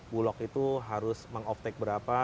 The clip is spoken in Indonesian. bulog itu harus meng offtake berapa